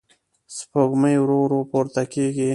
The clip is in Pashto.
سپوږمۍ ورو ورو پورته کېږي.